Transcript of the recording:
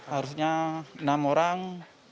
harusnya enam orang